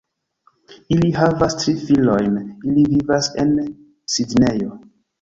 Ili havas tri filojn, ili vivas en Sidnejo.